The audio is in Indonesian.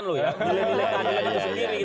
nilai nilai keadilan itu sendiri